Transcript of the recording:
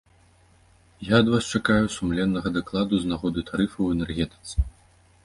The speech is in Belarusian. Я ад вас чакаю сумленнага дакладу з нагоды тарыфаў у энергетыцы.